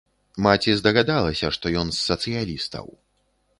Маці здагадалася, што ён з сацыялістаў.